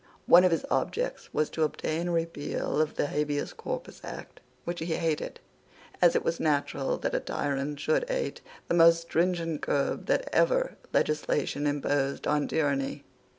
One of his objects was to obtain a repeal of the Habeas Corpus Act, which he hated, as it was natural that a tyrant should hate the most stringent curb that ever legislation imposed on tyranny.